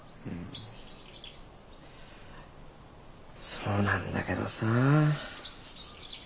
そうなんだけどさ。